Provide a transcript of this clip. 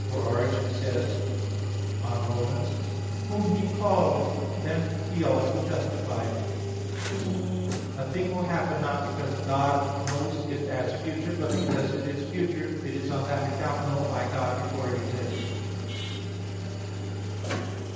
For Origen says, on Rom. 8:30, "Whom He called, them He also justified," etc.: "A thing will happen not because God knows it as future; but because it is future, it is on that account known by God, before it exists."